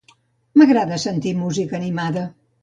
M'agrada sentir música animada.